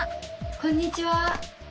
こんにちは。